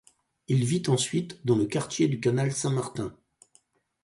Il vit ensuite dans le quartier du canal Saint-Martin.